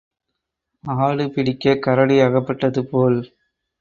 ஆடு பிடிக்கக் கரடி அகப்பட்டது போல்.